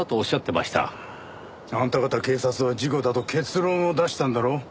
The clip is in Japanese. あんた方警察は事故だと結論を出したんだろ？